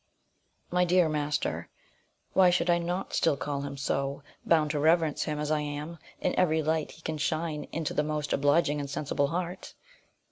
My dear master (why should I not still call him so, bound to reverence him as I am, in every light he can shine in to the most obliging and sensible heart?)